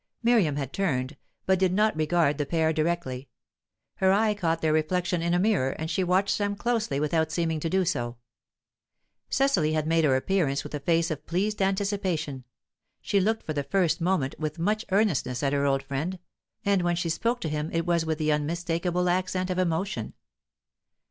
Miriam had turned, but did not regard the pair directly; her eye caught their reflection in a mirror, and she watched them closely without seeming to do so. Cecily had made her appearance with a face of pleased anticipation; she looked for the first moment with much earnestness at her old friend, and when she spoke to him it was with the unmistakable accent of emotion.